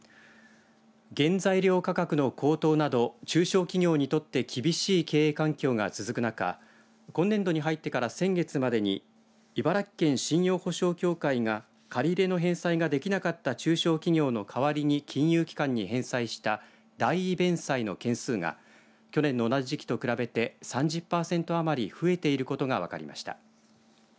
原材料価格の高騰など中小企業にとって厳しい経営環境が続く中今年度に入ってから先月までに茨城県信用保証協会が借り入れの返済ができなかった中小企業の代わりに金融機関に返済した代位弁済の件数が去年の同じ時期と比べて３０パーセント余り増えていることが分かりました。